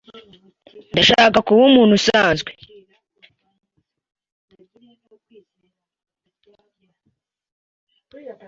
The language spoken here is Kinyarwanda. Ndashaka kuba umuntu usanzwe.